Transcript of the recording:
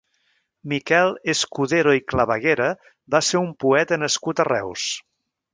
Miquel Escudero i Claveguera va ser un poeta nascut a Reus.